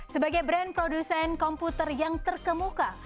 sebagai brand produsen komputer yang terkemuka